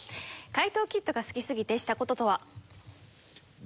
怪盗キッドが好きすぎてした事とは？